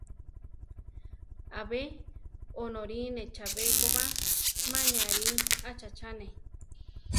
Abe onorine chabé ko ba, ma ne arí achachane.